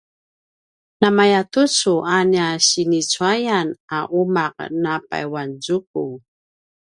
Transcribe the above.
namaya tucu a nia a sinicuayan a umaq na payuanzuku